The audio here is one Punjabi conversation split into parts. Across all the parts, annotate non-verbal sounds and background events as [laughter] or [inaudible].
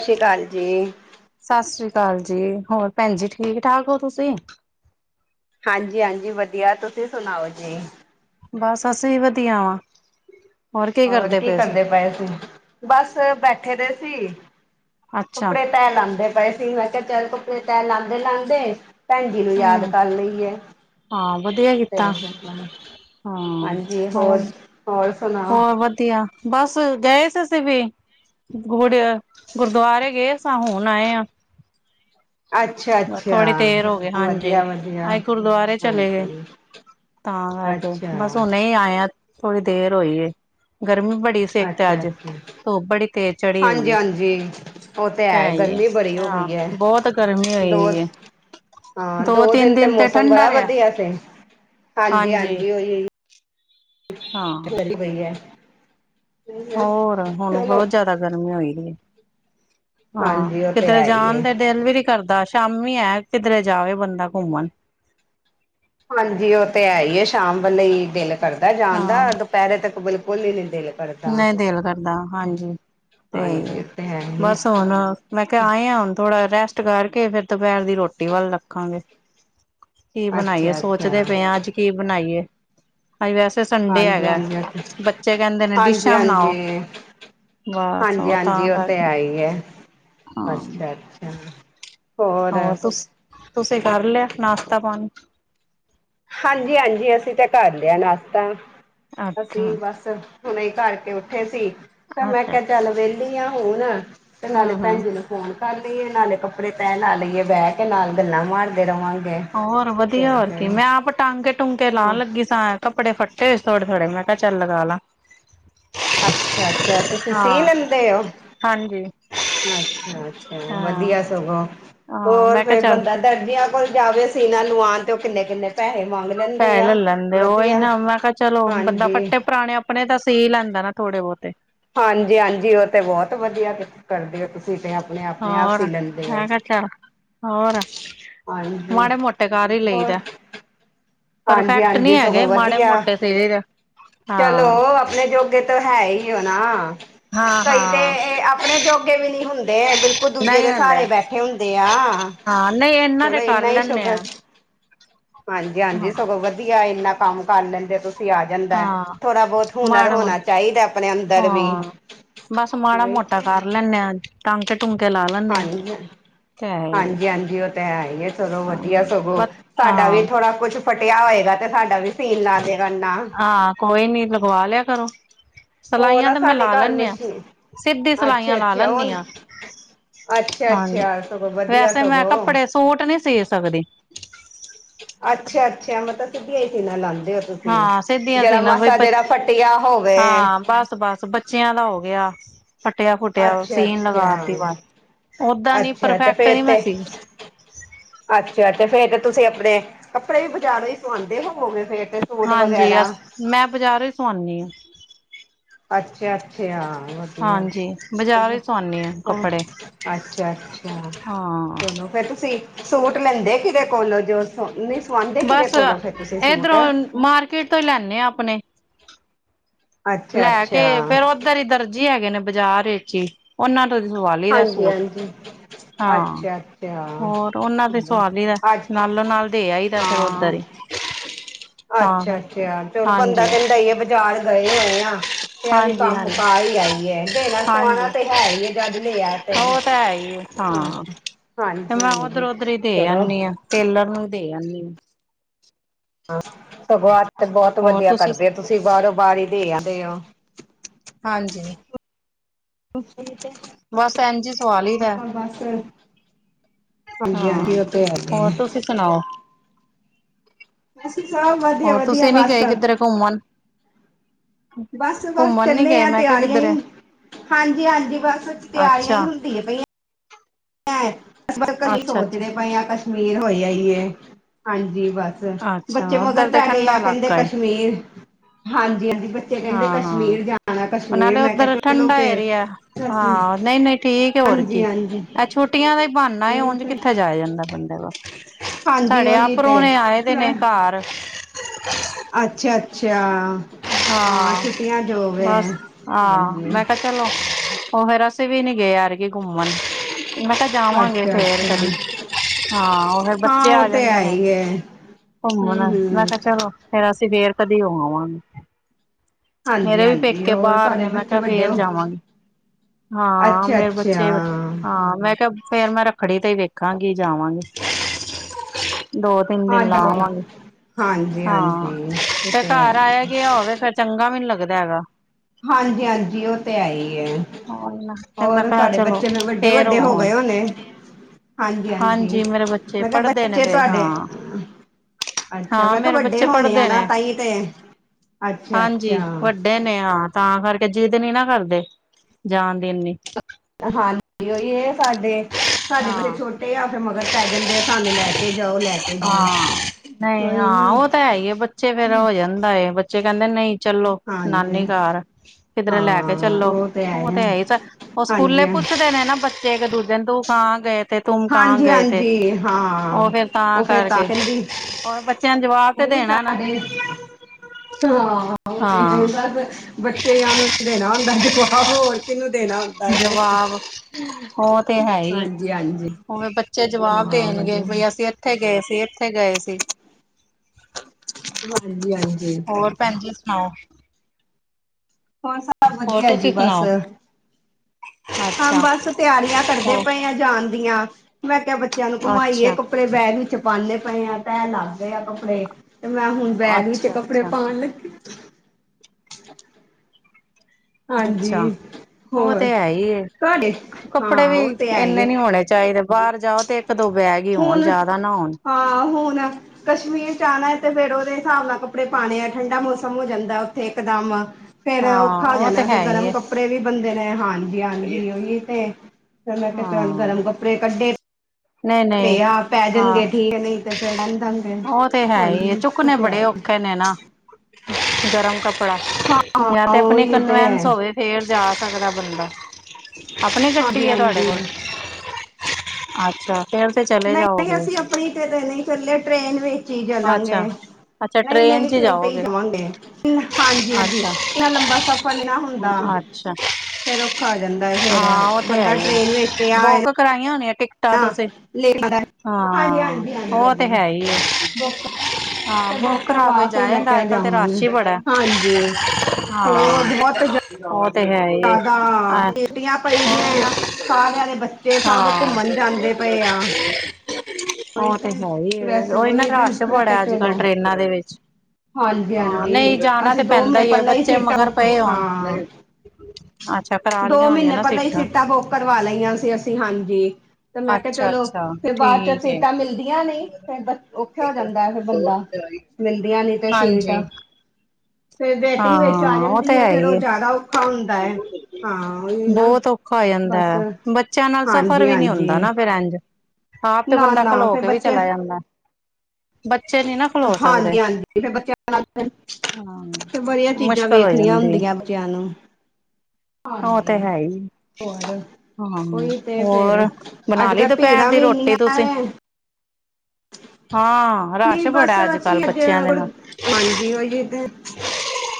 ਸਤਿ ਸ੍ਰੀ ਅਕਾਲ ਜੀ ਸ੍ਰੀ ਸਤਿ ਅਕਾਲ ਜੀ ਹੋਰ ਭੈਣ ਜੀ ਠੀਕ ਠਾਕ ਹੋ ਤੁਸੀਂ ਹਾਂਜੀ ਹਾਂਜੀ ਵਧੀਆ ਤੁਸੀਂ ਸੁਣਾਓ ਜੀ ਬਸ ਅਸੀ ਵੀ ਵਧੀਆ ਵਾ ਹੋਰ ਕੀ ਕਰਦੇ ਪਏ ਸੀ ਬਸ ਬੈਠੇ ਸੀ ਬੇਠੈ ਦੇ ਸੀ ਅੱਛਾ ਕੱਪੜੇ ਲਾਉਂਦੇ ਪਏ ਸੀ ਮੈਂ ਕਿਹਾ ਧੁੱਪ ਫੇਰ ਤਾਂ ਲਾਉਦੇ ਲਾਉਂਦੇ ਭੈਣ ਜੀ ਨੂੰ ਯਾਦ ਹਮ ਕਰ ਲਈ ਹੈ ਹਾਂ ਵਧੀਆ ਤੇ ਕੀਤਾ ਹਾਂ ਹਾਂਜੀ ਹੋ ਹੋਰ ਹੋਰ ਸੁਣਾ ਹੋਰ ਵਧੀਆ ਬਸ ਗਏ ਸੀ ਅਸੀਂ ਵੀੇ ਗੁਰਦੁਆਰੇ ਗਏ ਸਾਂ ਹੁਣ ਆਏ ਹਾਂ ਬਸ ਅੱਛਾ-ਅੱਛਾ ਥੋੜੀ ਦੇਰ ਹੋ ਗਏ ਹਾਂਜੀ ਵਧੀਆ-ਵਧੀਆ ਅਸੀ ਗੁਰਦੁਆਰੇ ਚਲੇ ਗਏ ਹਾਂਜੀ ਤਾਂ ਕਰਕੇ ਅੱਛਾ, ਬਸ ਹੋ ਣੇ ਆਏਆ ਥੋੜੀ ਦੇਰ ਹੋਈ ਗਰਮੀ ਬੜੀ ਸੀ ਇੱਕ ਤੇ, ਅੱਜ ਅੱਛਾ-ਅੱਛਾ ਧੁੱਪ ਬੜੀ ਤੇਜ਼ ਚੜੀ ਹੋਈ ਹੈ ਹਾਂਜੀ-ਹਾਂਜੀ ਉਹ ਤੇ ਹੈ ਗਰਮੀ ਬੜੀ ਹੋ ਹਾਂ, ਗਈ ਐ, ਬਹੁਤ ਗਰਮੀ ਦੋ ਹੋਈ ਹੋਈ ਹੈ ਹਾਂ ਦੋ ਦਿਨ ਤੇ ਮੌਸਮ ਬੜਾ ਵਧੀਆ ਤੇ ਹਾਂਜੀ ਹਾਂਜੀ ਉਹੀ ਹਾਂ ਪਈ ਹੈ ਹੋਰ ਹੁਣ ਚਲੋ ਬਹੁਤ ਜਿਆਦਾ ਗਰਮੀ ਹੋਈ ਹੈ ਹਾਂ ਹਾਂਜੀ ਉਹ ਤੇ ਕਿਧਰੇ ਹੈ ਹੀ ਹੈ ਜਾਣ ਤੇ ਦਿਲ ਵੀ ਨੀ ਕਰਦਾ ਸ਼ਾਮੀ ਐ ਕਿਧਰੇ ਜਾਵੇ ਬੰਦਾ ਘੁੰਮਣ ਹਾਂਜੀ ਉਹ ਤੇ ਹੈ ਹੀ ਸ਼ਾਮ ਵਲੇ ਹੀ ਦਿਲ ਕਰਦਾ ਜਾਣਦਾ ਦੁਪਹਿਰੇ ਤੱਕ ਬਿਲ ਉਹੱਲਦੇ ਮੈਂ ਦਿਲ ਕਰਦਾ ਹਾਂਜੀ ਤੇਹੀ ਹਾਂਜੀ ਹੈ, ਉਹ ਤੇ ਹੀ ਹੈ ਬਸ ਹੁਣ ਮੈਂ ਕਿਹਾ ਆਏ ਆ ਹੁਣ ਥੋੜਾ ਰੈਸਟ ਕਰਕੇ ਫੇਰ ਦੁਪਹਿਰ ਦੀ ਰੋਟੀ ਵੱਲ ਰੱਖਾਂਗੇ ਕੀ ਬਣਾਈਏ ਅੱਛਾ ਅੱਛਾ ਸੋਚਦੇ ਪਏ ਆ ਅੱਜ ਕੀ ਬਣਾਈਏ ਅ ਵੈਸੇ ਸੰਡੇ ਹੈਗਾ ਬੱਚੇ ਕਹਿੰਦੇ ਨੇ ਡਿਸ਼ਾਂ ਹਾਂਜੀ-ਹਾਂਜੀ, ਬਣਾਓ ਬਸ ਹਾਂਜੀ ਤਾਂ ਉਹ ਤੇ ਕਰਕੇ ਹੈ ਹੀ ਏ, ਹਾਂ ਅੱਛਾ-ਅੱਛਾ ਹੋਰ ਤੁਸੀਂ ਕਰ ਲਿਆ ਨਾਸ਼ਤਾ ਪਾਣੀ ਹਾਂਜੀ-ਹਾਂਜੀ ਅਸੀਂ ਤੇ ਕਰ ਲਿਆ ਨਾਸ਼ਤਾ ਅੱਛਾ ਅਸੀਂ ਬਸ ਹੁਣੇ ਕਰਕੇ ਉੱਠੇ ਸੀ ਤੇ ਮੈਂ ਅੱਛਾ ਕਿਹਾ ਅੱਛਾ ਚੱਲ ਵਿਹਲੀ ਆ ਨਹੀਂ ਹੋ ਨਾ ਤੇ ਹਾਂ ਨਾਲੇ ਹਾਂ ਭੈਣ ਜੀ ਨੂੰ ਫੋਨ ਕਰਦੇ ਨਾਲੇ ਕੱਪੜੇ ਪੈਣ ਨਾਲੇ ਬਹਿ ਕੇ ਨਾਲ ਗੱਲਾਂ ਮਾਰਦੇ ਰਹਾਂਗੇ ਹੋਰ ਵਧੀਆ ਹੋਰ ਕੀ ਮੈਂ ਆਪ ਤੰਗ ਟੁੰਮ ਕੇ ਲਾਹਣ ਲੱਗੀ ਸ ਕੱਪੜੇ ਫੱਟੇ ਹੋਏ ਸੀ ਥੋੜੇ-ਥੋੜੇ ਮੈਂ ਕਿਹਾ ਚੱਲ ਲਗਾ ਲਾ ਅੱਛਾ-ਅੱਛਾ ਤੁਸੀਂ ਸੀ ਹਾਂ ਲੈਂਦੇ ਹੋ, ਹਾਂਜੀ ਅੱਛਾ-ਅੱਛਾ ਹਾਂ ਵਧੀਆ ਸਗੋਂ ਹਾਂ ਹੋਰ ਮੈਂ ਕਿਹਾ ਫੇਰ ਚੱਲ ਬੰਦਾ ਦਰਜੀਆਂ ਕੋਲ ਜਾਵੇ ਇਹ ਨੂੰ ਆਉਣ ਤੇ ਉਹ ਕਿੰਨੇ-ਕਿੰਨੇ ਪੈਸੇ ਮੰਗ ਲੈਂਦੇ ਪੈ ਲੈ ਆ ਲੈਂਦੇ ਉਹਹੀ ਵਧੀਆ ਨਾ ਮੈਂ ਕਿਹਾ ਚਲੋ ਬੰਦਾ ਹਾਂਜੀ ਫੱਟੇ ਪੁਰਾਣੇ ਆਪਣੇ ਤਾਂ ਸਿ ਲੈਂਦਾ ਨਾ ਥੋੜੇ ਬਹੁਤੇ ਹਾਂਜੀ-ਹਾਂਜੀ ਉਹ ਤੇ ਬਹੁਤ ਵਧੀਆ ਕਰਦੇ ਹੋ ਤੁਸੀਂ ਤੇ ਅਪਣੇ, ਅਪਣੇ ਆਪ ਹੋਰ ਸੀ ਲੈਂਦੇ ਹੋ ਮੈਂ ਕਿਹਾ ਚੱਲ ਹੋਰ ਹਾਂਜੀ ਮਾੜੇ ਮੋਟੇ ਕਾਰਰ ਹੀ ਹੋਰ ਲਈਦਾ ਹਾਂਜੀ ਪਰਫੈਕਟ ਨਹੀਂ ਹਾਂਜੀ ਹੈਗੇ ਸਗੋਂ ਮਾੜੇ ਵਧੀਆ ਮੋਟੇ ਸੀ ਤੇ ਚਲੋ ਆਪਣੇ ਜੋਗੇ ਤਾਂ ਹੈ ਹੀ ਉਹ ਨਾ ਕਈ ਤੇ ਹਾਂ-ਹਾਂ ਆਪਣੇ ਜੋਗੇ ਵੀ ਨੀ ਹੁੰਦੇ ਬਿਲਕੁਲ ਦੂਜੇ ਨਹੀਂ ਦੇ ਹੁੰਦਾ ਸਾਰੇ ਬੈਠੇ ਹੁੰਦੇ ਆ ਹਾਂ ਨਹੀਂ ਇਹਨਾਂ ਦੇ ਚਲੋ ਕਰ ਇਨਾ ਹੀ ਲੈਂਦੇ ਆ ਸ਼ੁਕਰ ਹਾਂਜੀ- ਹਾਂਜੀ ਸਗੋਂ ਵਧੀਆ ਕਿੰਨਾ ਕੰਮ ਕਰ ਲੈਂਦੇ ਤੁਸੀਂ ਆ ਜਾਂਦਾ। ਹਾਂ ਥੋੜਾ ਬਹੁਤ ਹੁਨਰ ਮਾੜਾ ਮਾ, ਹੋਣਾ ਚਾਹੀਦਾ ਆਪਣੇ ਅੰਦਰ ਵੀ ਹਾਂ, ਬਸ ਮਾੜਾ- ਉਹੀ ਮੋਟਾ ਤੇ ਕਰ ਲੈਂਨੇ ਹਾ ਅੱਜ। [unintelligible] [inaudible] ਟੁੰਮਕੇ ਲਾ ਲੈਂਣੇ ਆ, ਹਾਂਜੀ ਤੇ ਐ ਤੇ ਹੈ ਏ। ਸਗੋਂ ਵਧੀਆ, ਸਗੋਂ ਸਾਡਾ ਵੀ ਹਾਂ ਥੋੜਾ ਕੁੱਛ ਫਟਿਆ ਹੋਏਗਾ, ਤੇ ਸਾਡਾ ਵੀ ਸੀਨ ਲਾ ਦਿਆ ਹਾਂ ਕੋਈ ਨੀ ਲਗਵਾ ਲਿਆ ਕਰੋ। ਉਹ ਸਿਲਾਈਆਂ ਨਾ ਤੇ ਮੈਂ ਸਾਡੇ ਲਾ ਘਰ ਲੈਣੀ ਆਂ, ਮਸ਼ੀਨ ਸਿੱਧੀ ਅੱਛਾ ਸਿਲਾਈਆਂ ਲਾ ਅੱਛਾ ਉਹ ਲੈਂਣੀ ਹਾਂ, ਅੱਛਾ ਹਾਂਜੀ, ਅੱਛਾ ਸਗੋਂ ਵਧੀਆ ਵੈਸੇ ਮੈਂ ਸਗੋਂ ਕੱਪੜੇ, ਸੂਟ ਨਹੀਂ ਸੀ ਸਕਦੀ। ਅੱਛਾ- ਅੱਛਾ ਮਤਲਬ ਸਿੱਧੀਆਂ ਈ ਸੀਨਾ ਲਾਂਦੇ। ਤੁਸੀਂ, ਹਾਂ ਸਿੱਧੀਆਂ ਸੀ ਜਿਹੜਾ ਨਾ ਮਸਾ ਬਈ ਜਿਹੜਾ ਫਟੀਆ ਹੋਵੇ। ਹਾਂ ਬਸ ਬਸ ਬੱਚਿਆਂ ਦਾ ਹੋ ਗਿਆ। ਫਟਿਆ ਫੁਟਿਆ ਅੱਛਾ- ਸੀਨ ਅੱਛਾ, ਲਗਾਤੀ ਬਸ ਓਦਾਂ ਨੀ ਅੱਛਾ, ਤੇ ਪਰਫੈਕਟ ਨੀ ਫੇਰ ਮੈਂ ਤੇ, ਸੀ ਅੱਛਾ ਤੇ ਫੇਰ ਤੁਸੀਂ ਆਪਣੇ ਕੱਪੜੇ ਵੀ ਬਜ਼ਾਰੋਂ ਹੀ ਸਵਾਉਂਦੇ ਹੋਵੋਗੇ ਫੇਰ ਤੇ ਸੂਟ ਹਾਂਜੀ ਵਗੈਰਾ ਆ, ਮੈਂ ਬਜ਼ਾਰੋ ਹੀ ਸਵਾਣੀ ਆ। ਅੱਛਾ- ਅੱਛਾ। ਵਧੀਆ, ਹਾਂਜੀ ਬਜ਼ਾਰੋਂ ਚਲੋ ਹੀ ਸਵਾਉਣੀ ਹਾਂ, ਕੱਪੜੇ ਅੱਛਾ- ਅੱਛਾ, ਹਾਂ ਚਲੋ ਫੇਰ ਤੁਸੀਂ ਸੂਟ ਲੈਂਦੇ ਕਿਦੇ ਕੋਲੋ ਜੋ ਨਹੀਂ ਸਵਾਉਂਦੇ ਕਿਦੇ ਬਸ, ਕੋਲੋਂ ਫੇਰ ਤੁਸੀਂ ਸੂਟ ਇਧਰੋਂ ਮਾਰਕੀਟ ਤੋਂ ਹੀ ਲੈਂਣੇ ਆ ਆਪਣੇ। ਅੱਛਾ ਲੈ ਕੇ, ਅੱਛਾ ਫੇਰ ਉੱਧਰ ਹੀ ਦਰਜੀ ਹੈਗੇ ਨੇ ਬਾਜ਼ਾਰ ਵਿੱਚ ਹੀ ਉਹਨਾਂ ਉਦਰੋ ਦੀ ਸਵਾਲੀ ਦਾ ਹਾਂਜੀ ਸੂਟ ਹਾਂਜੀ ਹਾਂ, ਅੱਛਾ ਅੱਛਾ ਹੋਰ ਉਹਨਾਂ ਤੇ ਚਲੋ ਸਵਾਲੀ ਦਾ ਅੱਜ ਨਾਲੋ- ਨਾਲ ਦੇ ਆਈ ਦਾ ਫਿਰ ਹਾਂ ਉਧਰ ਹੀ। ਤਾਂ ਅੱਛਾ- ਕਰਕੇ ਅੱਛਾ, ਚਲੋ ਬੰਦਾ ਹਾਂਜੀ ਕਹਿੰਦਾ ਏ ਬਾਜ਼ਾਰ ਗਏ ਹੋਏ ਹਾਂ। ਤੇ ਆ ਵੀ ਹਾਂਜੀ ਕੰਮ ਹਾਂਜੀ ਮੁਕਾ ਹੀ ਆਈ ਏ, ਦੇਣਾ- ਹਾਂਜੀ ਸਵਾਣਾ ਤੇ ਹੈ ਹੀ ਏ ਜਦ ਲਿਆ ਤੇ, ਉਹ ਤਾਂ ਹੈ ਹੀ ਹਾਂਜੀ, ਹਾਂ ਤੇ ਹਾਂਜੀ- ਮੈਂ ਉਧਰ ਹਾਂਜੀ ਉਧਰ ਹੀ ਦੇ ਚਲੋ। ਆਨੀ ਆ ਟੇਲਰ ਨੂੰ ਦੇ ਆਣੀ ਆ। ਹਾਂ, ਸਗੋਂ ਤੇ ਬਹੁਤ ਵਧੀਆ ਕਰਦੇ ਤੁਸੀਂ ਬਾਹਰੋਂ ਵਾਰੀ ਦੇ ਆਂਦੇ ਆਂ ਹਾਂਜੀ। [unintelligible] ਬਸ ਐਂਝ ਈ ਸਵਾ ਲਈ ਦੈ। ਬਸ ਹਾਂਜੀ ਹਾਂ, ਹਾਂਜੀ ਉਹ ਤੇ ਹੈਗੇ ਹੋਰ ਆ ਤੁਸੀ ਸੁਣਾਔ? [unintelligible] ਵਧੀਆ ਹੋਰ ਵਧੀਆ ਤੁਸੀ ਨੀ ਬਸ ਗਏ ਕਿੱਧਰੇ ਘੁੰਮਣ? ਬਸ, ਬਸ ਘੁੰਮਣ ਨੀ ਚੱਲੇ ਗਏ ਆ ਮੈਂ ਕਿਹਾ ਤਿਆਰੀਆਂ ਕਿੱਧਰੇ ਹੀ ਹਾਂਜੀ-ਹਾਂਜੀ ਬਸ ਤਿਆਰੀਆਂ ਅੱਛਾ ਈ ਹੁੰਦੀਆਂ ਪਈਐਂ। [unintelligible] ਬਸ-ਬਸ ਕੋਸ਼ ਨੀ ਅੱਛਾ ਅੱਛਾ ਸੋਚਦੇ ਪਏ ਆਂ ਕੋਛ। ਕਸ਼ਮੀਰ ਹੋਈ ਆਈਏ, ਹਾਂ ਜੀ ਬਸ, ਅੱਛਾ ਬੱਚੇ ਮਗਰ ਉੱਧਰ ਤੇ ਪੈ ਗਏ ਠੰਡਾ ਆ। ਕਇੰਦੇ ਇਲਾਕਾ ਏ ਕਸ਼ਮੀਰ ਹਾਂਜੀ-ਹਾਂਜੀ। ਬੱਚੇ ਕਇੰਦੇ ਹਾਂ ਕਸ਼ਮੀਰ ਹਾਂ ਜਾਣਾ ਕਸ਼ਮੀਰ, ਨਾਲੇ ਮੈਂ ਕਿਆ ਉੱਧਰ ਚਲੋ ਠੰਡਾ ਫੇਰ ਏਰੀਆ ਕਸਮੀ, ਹਾਂਜੀ-ਹਾਂਜੀ। ਐ ਛੋਟੀਆਂ ਦਾ ਈ ਬਾਂਨਾ ਏ ਉਂਝ ਕਿੱਥੇ ਜਾਯਾ ਜਾਂਦੈ ਬੰਦਾ। ਅ ਹਾਂਜੀ ਸਾਡੇ ਆਪ ਉਹੀ ਤੇ ਪ੍ਰੋਨੇ ਆਏ ਦੇ ਨੇ ਮੈਂ ਘਾਰ। ਛਾ। ਹਾਂ, ਬਸ ਹਾਂ, ਹਾਂਜੀ ਮੈਂ ਕਿਆ ਚਲੋ। ਔ ਫੇਰ ਅਸੀ ਵੀ ਨੀ ਗਏ ਆਰਗੇ ਘੁੰਮਣ। ਮੈਂ ਕਿਆ ਜਾਵਾਂਗੇ ਅੱਛਾ ਫੇਰ ਅੱਛਾ ਕਦੀ। ਹਾਂ, ਔ ਫਿਰ ਬੱਚੇ ਹਾਂ ਆ ਉਹ ਤੇ ਜਾਂਦੇ ਹੈ ਨੇ, ਹੀ ਹੈ ਹਮ ਘੁੰਮਣ। ਮੈਂ ਹਮ ਕਿਆ ਚਲੋ ਫੇ ਤੇ ਫੇਰ ਕਦੀ ਹੋ ਆਵਾਂ ਹਾਂਜੀ ਮੇਰੇ ਵੀ ਹਾਂਜੀ ਪੇਕੇ ਹੋਰ ਬਾਰ ਤੁਹਾਡੇ ਨੇ ਮੈਂ ਬੱਚੇ ਕਿਆ ਵੱਡੇ ਫੇਰ ਹੋ ਜਾਵਾਂਗੀ। ਹਾਂ, ਅੱਛਾ ਮੇਰੇ ਅੱਛਾ ਬੱਚੇ ਵੱ, ਹਾਂ ਹਾਂ, ਮੈਂ ਕਿਆ ਫੇਰ ਮੈਂ ਰੱਖੜੀ ਤੇ ਈ ਵੇਖਾਂਗੀ, ਜਾਵਾਂਗੀ। ਦੋ-ਤਿੰਨ ਦਿਨ ਲਾਵਾਂਗੀ। ਹਾਂਜੀ ਹਾਂ ਹਾਂਜੀ ਉਹ ਤੇ ਹੈ ਘਾਰ ਆਇਆ ਗਿਆ ਹੋਵੇ ਫੇਰ ਚੰਗਾ ਵੀ ਨੀ ਲੱਗਦ ਹੈਗਾ। ਹਾਂਜੀ-ਹਾਂਜੀ ਔ ਤੇ ਹੈ ਈ ਏ। ਉਹੀ ਨਾ ਤੇ ਮੈਂ ਹੋਰ ਕਿਹਾ ਤਾਡੇ ਚਲੋ ਬੱਚੇ ਫੇਰ ਵੱਡੇ-ਵੱਡੇ ਉਹ ਹੋ ਹੁਣ ਗਏ ਹੋਣੇ? ਹਾਂਜੀ-ਹਾਂਜੀ। ਹਾਂਜੀ ਮੇਰੇ ਬੱਚੇ ਮੈਂ ਕਿਆ ਪੜ੍ਹਦੇ ਨੇ ਬੱਚੇ ਪਏ ਤੁਆਡੇ, ਹਾਂ ਅੱਛਾ ਹਾਂ ਮੈਂ ਕਿਆ ਮੇਰੇ ਵੱਡੇ ਬੱਚੇ ਹੋਣੇ ਆ ਪੜ੍ਹਦੇ ਨਾ, ਨੇ ਤਾ ਈ ਤੇ ਹਾਂਜੀ ਅੱਛਾ-ਅੱਛਾ। ਵੱਡੇ ਨੇ ਹਾਂ ਤਾਂ ਕਰਕੇ ਜਿੱਦ ਨੀ ਨਾ ਕਰਦੇ, ਜਾਣ ਦੇ ਏਨੀ। ਅ ਹਾਂ ਜੀ ਔਈ ਏ। ਤੁਆਡੇ, ਸਾਡੇ ਬੱਚੇ ਹਾਂ ਛੋਟੇ ਆ ਫੇਰ ਮਗਰ ਪੈ ਜਾਂਦੇ ਆ ਸਾਨੂੰ ਲੈ ਕੇ ਜਾਓ ਲੈ ਕੇ ਜਾਓ ਹਾਂ, ਨਹੀਂ ਉਹੀ ਹਾਂ ਨਾ ਉਹ ਤਾਂ ਹੈ ਹੀ ਆ ਬੱਚੇ ਫੇਰ ਹੋ ਜਾਂਦਾ ਏ ਚਿਕਨ ਕਹਿੰਦੇ ਨਹੀਂ ਚੱਲੋ, ਨਾਨੀ ਹਾਂਜੀ ਘਰ ਕਿਧਰੇ ਲੈ ਕੇ ਚੱਲੋ ਉਹ ਤੇ ਹੈ ਹੀ ਤਾਂ ਉਹ ਸਕੂਲੇ ਹਾਂਜੀ ਪੁੱਛਦੇ ਨੇ ਨਾ ਬੱਚੇ ਇੱਕ ਦੂਜੇ ਤੋਂ ਕਹਾ ਗਏ, ਤੇ ਤੁਮ ਕਹਾਂ ਗਏ ਤੇ ਹਾਂਜੀ-ਹਾਂਜੀ ਹਾਂ, ਉਹ ਫੇਰ ਉਹ ਫੇਰ । ਤਾਂ ਕਰਕੇ ਕਹਿੰਦੀ, ਹੋਰ ਬੱਚਿਆਂ ਨੂੰ ਜਵਾਬ ਤੇ ਉਹੀ ਦੇਣਾ ਨਾ ਸਾਡੇ, ਹਾਂ ਉਹ ਤੇ ਹਾਂ ਬਸ ਬੱਚਿਆਂ ਨੂੰ ਦੇਣਾ ਹੁੰਦਾ । ਜਿਮੇ ਹੋਰ ਕਿਨੂੰ ਆਹੋ [inaudible] ਦੇਣਾ ਹੁੰਦਾ ਹੈ, ਜਵਾਬ ਹਾਂਜੀ, ਹਾਂਜੀ ਹੋਰ ਬੱਚੇ ਬੱਚੇ ਜਵਾਬ ਹਾਂ ਦੇਣਗੇ, ਵਧੀਆ ਵਈ ਅਸੀਂ ਇੱਥੇ ਗਏ ਸੀ। ਇਥੇ ਗਏ ਸੀ । ਹਮ [unintelligible] ਜੀ ਹਾਂਜੀ, ਹਾਂ, ਪੰਜ ਸਾਲ ਸਭ ਵਧੀਆ ਜੀ ਬਸ, ਸੁਣਾਓ ਹਾਂ ਅੱਛਾ ਬਸ ਤਿਆਰੀਆਂ ਕਰਦੇ ਹੋ ਪਏ ਆ ਜਾਣ ਦੀਆਂ, ਮੈਂ ਬੱਚਿਆਂ ਨੂੰ ਘੁਮਾਈਏ ਅੱਛਾ ਕੱਪੜੇ ਬੈਗ ਵਿਚ ਪਾਂਦੇ ਪਏ ਆਂ ਤੈ ਲੱਗ ਗਏ ਆ ਕੱਪੜੇ, ਤੇ ਮੈਂ ਹੁਣ ਬੈਗ ਵਿੱਚ ਅੱਛਾ ਕੱਪੜੇ ਅੱਛਾ ਪਾਉਣ ਲੱਗੀ ਅੱਛਾ! ਹਾਂਜੀ ਉਹ ਹੋਰ ਤੇ ਹੈ ਹੀ, ਤੁਹਾਡੇ ਕੱਪੜੇ ਹਾਂ ਵੀ ਉਹ ਤੇ ਹੈ ਹੀ ਇੰਨੇ ਹੈ ਨੀ ਹੋਣੇ ਚਾਹੀਦੇ ਬਾਹਰ ਜਾਓ ਤੇ ਇੱਕ ਦੋ ਬੈਗ ਹੀ ਹੋਣ ਹੁਣ ਜਿਆਦਾ ਨਾ ਹੋਣ, ਹਾਂ ਹੁਣ ਕਸ਼ਮੀਰ ਚ ਆਉਣਾ, ਤੇ ਫੇਰ ਉਹਦੇ ਹਿਸਾਬ ਨਾਲ ਕੱਪੜੇ ਪਾਉਣੇ ਆ ਠੰਢਾ ਮੌਸਮ ਹੋ ਜਾਂਦਾ ਉੱਥੇ ਇਕਦਮ ਫੇਰ ਹਾਂ ਔਖਾ ਹੋ ਉਹ ਤੇ ਜਾਣਾ ਫਿਰ ਹੈ ਹੀ ਗਰਮ ਹੈ ਕੱਪੜੇ ਵੀ ਬੰਦੇ ਨੇ ਹਾਂਜੀ, ਹਾਂਜੀ, ਓਹੀ ਤੇ, ਫਿਰ ਮੈਂ ਕਿਹਾ ਚਲ ਹਾਂ ਗਰਮ ਕੱਪੜੇ ਕੱਢੇ, ਨਹੀਂ ਜੇ ਨਹੀਂ ਆਪ ਪੈ ਹਾਂ ਜਾਣਗੇ ਠੀਕ ਨਹੀਂ, ਤੇ ਫਿਰ ਰਹਿਣ ਦਆਂਗੇ ਉਹ ਤੇ ਹੈ ਹੀ ਹਾਂਜੀ ਉਹ ਚੁੱਕਣੇ ਤੇ ਆ ਬੜੇ ਹੀ ਔਖੇ ਨੇ ਨਾ । ਗਰਮ ਕੱਪ ਭਲਾ ਜਾਂ ਤੇ ਆਪਣੀ ਉਹੀ ਤੇ ਹੈ ਕਨਵਿੰਸ ਹੋਵੇ ਫੇਰ ਜਾ ਸਕਦਾ ਬੰਦਾ । ਆਪਣੀ ਹਾਂਜੀ ਗੱਡੀ ਹੈ ਤੁਹਾਡੇ ਹਾਂਜੀ ਕੋਲ? ਅੱਛਾ! ਫੇਰ ਤੇ ਚਲੇ ਜਾਓਗੇ ਤੁਸੀਂ ਚੱਲਿਆ ਟ੍ਰੇਨ ਵੀ, ਚੀ ਚਲਾਂਗੇ ਅੱਛਾ ਅੱਛਾ ਨਹੀਂ ਨਹੀਂ ਚ ਟ੍ਰੇਨ ਤੇ ਹੀ ਜਾਓਗੇ ਜਾਵਾਂਗੇ ਹਾਂਜੀ ਹਾਂਜੀ ਅੱਛਾ ਇੰਨਾ ਲੰਬਾ ਸਫ਼ਰ ਨ ਨਾ ਹੁੰਦਾ ਅੱਛਾ ਫੇਿਰ ਔਖਾ ਆ ਜਾਂਦਾ। ਫੇਿਰ ਹਾਂ ਬੰਦਾ ਟ੍ਰੇਨ ਵੇਖ ਤੇ ਆ ਨੀ ਟਿਕਟਾਂ ਤੁਸੀਂ ਹਾਂਜੀ ਹਾਂ ਹਾਂਜੀ ਹਾਂਜੀ ਉਹ ਤੇ ਹਾਂਜੀ ਹੈ ਹੀ ਆ ਬੁੱਕ ਹਾਂ ਤੇ ਬੁੱਕ ਕਰਾ ਕੇ ਕਰਵਾ ਮੈਂ ਜਾਏਦਾ ਕਿਹਾ ਅੱਜ ਕਲ ਤੇ ਜਾਵਾਂਗੇ ਰਸ਼ ਹੀ ਬੜਾ ਹਾਂਜੀ ਹੋਰ ਹਾਂ। ਬਹੁਤ ਤੇ ਹੈ ਹੀ ਏ। ਆ [inaudible] ਪਈ ਦੀਆਂ ਸਾਰਿਆਂ ਦੇ ਬੱਚੇ ਸਭ ਹਾਂ ਘੁੰਮਣ ਜਾਂਦੇ ਪਏ ਆ। ਉਹੀ ਉਹ ਤੇ ਹੈ ਹੀ ਏ, ਵੈਸੇ ਨਾ ਉਹੀ ਤੇ ਰਸ਼ ਮੈਂ ਕਿਹਾ ਬੜਾ ਅੱਜ ਚਲੋ ਕੱਲ ਟ੍ਰੇਨਾਂ ਦੇ ਵਿੱਚ ਹਾਂਜੀ ਹਾਂ ਹਾਂਜੀ ਨਹੀਂ ਜਾਣਾ ਤੇ ਅਸੀਂ ਦੋ ਪੈਂਦਾ ਮੇ ਹੈ ਪਹਿਲਾਂ ਹੀ ਬੱਚੇ ਸੀਟਾਂ ਮਗਰ ਪਏ ਹੋਣ ਹਾਂ। ਨਹੀਂ ਅੱਛਾ ਕਰਾਲੀ ਦੋ ਮਹੀਨੇ ਪਹਿਲਾਂ ਹੀ ਸੀਟਾਂ ਬੁੱਕ ਕਰਵਾ ਲਈਆਂ ਸੀ ਅਸੀਂ ਹਾਂਜੀ। ਤੇ ਮੈਂ ਕਿਹਾ ਅੱਛਾ ਚਲੋ ਅੱਛਾ ਫੇਰ ਬਾਅਦ ਚੋਂ ਠੀਕ ਏ ਸੀਟਾਂ ਮਿਲਦੀਆਂ ਫੇਰ ਬ ਔਖੇ ਹੋ ਜਾਂਦਾ ਫਿਰ ਹੋਰ ਬੰਦਾ ਵਧਾਈ ਮਿਲਦੀਆਂ ਨੀ। ਸੀਟ ਹਾਂਜੀ ਫੇਰ ਹਾਂ ਵੇਟਿੰਗ ਵਿੱਚ ਆ ਉਹ ਜਾਂਦੀ ਤੇ ਏ। ਹੈ ਫੇਰ ਹੀ ਉਹ ਜਿਆਦਾ ਬਹੁਤ ਔਖਾ ਹੋ ਜਾਂਦਾ ਬਸ ਹੈ ਬੱਚਿਆਂ ਨਾਲ ਸਫ਼ਰ ਹਾਂਜੀ ਵੀ ਨੀ ਹੁੰਦਾ ਹਾਂਜੀ ਨਾ ਫਿਰ ਇੰਝ। ਹਾਂ ਤੇੇ ਨਾ ਬੰਦਾ ਨਾ ਖਲੋ ਫਿਰ ਕੇ ਵੀ ਬੱਚੇ ਚਲਾ ਜਾਂਦਾ। ਬੱਚਾ ਚਿਰਨੀ ਨਾ ਖਲੋ ਸਕਦੇ। ਜੇ ਹਾਂ ਬੱਚਿਆਂ ਵਧੀਆ ਚੀਜ਼ਾਂ ਮੁਸ਼ਕਿਲ ਹੋ ਵੇਖਣੀਆਂ ਜਾਂਦੀ ਹੁੰਦੀਆਂ ਹੈ ਬੱਚਿਆਂ ਨੂੰ ਉਹ ਤੇ ਹਾਂਜੀ ਹੈ ਹੀ ਹੋਰ ਹਾਂ ਉਹੀ ਤੇ ਫੇਰ ਹੋਰ ਬਣਾ ਅੱਜ ਲਈ ਕੱਲ੍ਹ ਦੁਪਹਿਰ ਭੀੜਾਂ ਦੀ ਵੀ ਰੋਟੀ ਇੰਨੀਆਂ ਤੁਸੀਂ? ਨੇ ਹਾਂ ਰਸ਼ ਨਹੀਂ ਬਸ ਬੜਾ ਅੱਜ ਅਸੀਂ ਕੱਲ੍ਹ ਬੱਚੇ ਹਾਂਜੀ ਉਹੀਉ ਤੇ।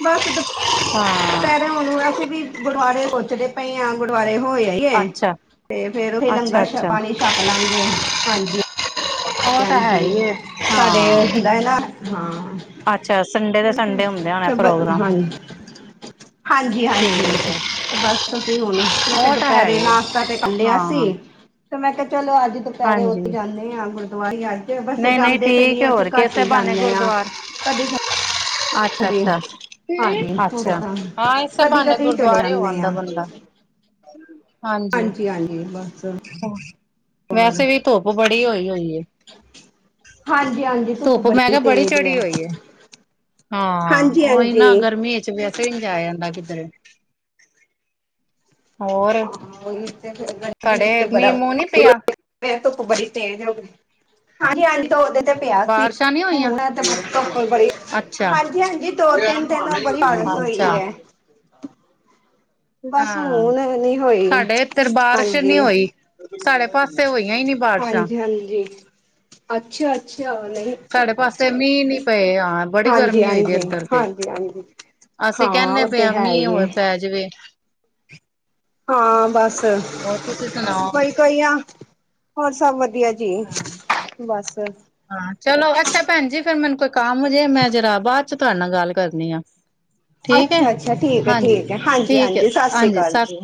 ਬਸ ਦ ਹਾਂ ਪੈਰੇ ਹਣ ਸੀ ਵੀ ਗੁੁਰਆਰੇ ਸੋਚਦੇ ਪਏ ਹਾਂ ਗੁਰਦੁਆਰੇ ਹੋਏ ਅੱਛਾ ਤੇ ਫੇਰ ਹੀ ਅੱਛਾ ਲੰਗਰ ਛ ਅੱਛਾ ਪਾਣੀ ਛਪ ਲਾਂਗੇ ਹਾਂਜੀ। ਉਹ ਤਾਂ ਹੈ ਹਾਂਜੀ ਹੀ ਏ। ਸਾਡੇ ਹਾਂ ਹੁੰਦਾ ਏ ਨਾ। ਹਾਂ ਅੱਛਾ ਸੰਡੇ ਦੇ ਸੰਡੇ ਹੁੰਦੇ ਹੋਣੇ ਪ੍ਰੋਗਰਾਮ ਹਾਂ ਹਾਂਜੀ ਠੀਕ ਹਾਂਜੀ ਹੈ ਤੇ ਬਸ ਅਸੀਂ ਹੁਣ ਮੈਂ ਕਿਹਾ ਉਹ ਤਾਂ ਹੈ ਦੁਪਹਿਰੇ ਹੀ ਨਾਸ਼ਤਾ ਤੇ ਆ। ਕਲਿਆ ਸੀ। ਹਾਂ ੍ਰ [inaudible] ਚਲੋ ਅੱਜ ਦੁਪਹਿਰੇ ਹਾਂਜੀ ਉੱਥੇ ਜਾਂਦੇ ਆਗ ਵਾ ਆ ਜ ਬਸ ਨਹੀਂ ਨਹੀਂ ਜਾਂਦੇ ਤੇ ਠੀਕ ਨਹੀਂੀ ਹੈ ਅਸੀਂ ਹੋਰ ਘੱਟ ਕਿਸੇ ਹੀ ਬਹਾਨੇ ਜਾਂਦੇ ਹਾਂ ਗੁਰਦੁਆਰ ਕਦੀ। ਅੱਛਾ ਅੱਛਾ ਥੋੜੇ ਅੱਛਾ ਤਾਂ ਹਾਂ ਇਹ ਸਾਹਿਬਾਨੇ ਕਦੀ-ਕਦੀ ਚਲੇ ਗੁਰਦੁਆਰੇ ਹੋ ਜਾਂਦੇ ਆਂਦਾ ਬੰਦਾ ਹਾਂਜੀ ਹਾਂਜੀ ਬਸ ਹੋਰ ਵੈਸੇ ਵੀ ਧੁੱਪ ਬੜੀ ਹੋਈ ਹੋਈ ਹੈ ਹਾਂਜੀ ਹਾਂਜੀ ਧੁੱਪ ਮੈਂ ਬੜੀ ਕਿਹਾ ਤੇਜ਼ ਹੈ ਚੜੀ ਹੋਈ ਹਾਂ ਓਹੀ ਹਾਂਜੀ-ਹਾਂਜੀ ਨਾ ਗਰਮੀ ਚ ਵੈਸੇ ਵੀ ਨਹੀਂ ਆਇਆ ਜਾਂਦਾ ਕਿਧਰ ਹਾਂ ਫਿਰ ਗਰਮੀ ਤੁਹਾਡੇ ਵਿੱਚ ਮੀਂਹ ਬੜਾ ਮੂੰਹ ਨੀ ਪਿਆ ਧੁੱਪ ਬੜੀ ਤੇ ਹਾਂਜੀ ਦੋ ਦੇ ਤੇ ਹਾਂ ਪਿਆ ਸੀ ਬਾਰਿਸ਼ਾਂ ਨੀ ਹੋਈਆਂ ਹੁਣ ਤੇ ਮ ਉੱਪਰ ਬੜੀ ਅੱਛਾ ਹਾਂਜੀ ਹਾਂਜੀ ਦੋ ਤਿੰਨ ਤਿੰਨ ਉਹ ਬੜੀ ਬਾਰਿਸ਼ ਹੋਈ ਅੱਛਾ ਹੈ ਬਸ ਹੁ ਹਾਂ ਨੀ ਹੋਈ ਸਾਡੇ ਇੱਧਰ ਬਾਰਿਸ਼ ਨੀ ਹਾਂਜੀ ਹੋਈ ਸਾਡੇ ਪਾਸੇ ਹੋ ਹਾਂਜੀ ਹਾਂਜੀ ਅੱਛਾ ਅੱ ਸਾਡੇ ਪਾਸੇ ਮੀਂਹ ਨੀ ਪਏ ਹਾਂ ਬੜੀ ਹਾਂਜੀ ਗਰਮੀ ਹੋਈ ਹਾਂਜੀ ਇੱਧਰ ਤੇ ਹਾਂਜੀ ਹਾਂਜੀ ਅਸੀਂ ਹਾਂ ਕਹਿੰਦੇ ਉਹ ਪਏ ਤੇ ਹ ਹੈ ਮੀਂਹ ਹੀ ਹੋ ਹੈ ਪੈ ਜਾਵੇ ਹਾਂ ਬਸ ਹੋਰ ਤੁਸੀਂ ਸੁਣਾਓ ਬਈ ਕੋਈ ਆ ਹੋਰ ਸਭ ਵਧੀਆ ਵਧੀਆ ਹਾਂ ਜੀ ਬਸ ਹਾਂ ਚਲੋ ਅੱਛਾ ਭੈਣ ਜੀ ਫੇਿਰ ਮੈਨੂੰ ਕੋਈ ਕੰਮ ਜੇ ਮੈਂ ਜਰਾ ਬਾਅਦ ਚ ਤੁਹਾਡੇ ਨਾਲ ਗੱਲ ਕਰਨੀ ਆ ਠੀਕ ਹੈ ਅੱਛਾ ਅੱਛਾ ਠੀਕ ਆ ਹਾਂਜੀ ਠੀਕ ਆ ਹਾਂਜੀ ਠੀਕ ਹੈ ਹਾਂਜੀ ਸਤਿ ਸ੍ਰੀ ਹਾਂਜੀ ਅਕਾਲ ਸਤਿ ਜੀ